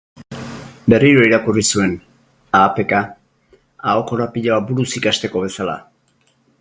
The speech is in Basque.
Berriro irakurri zuen, ahapeka, aho-korapiloa buruz ikasteko bezala.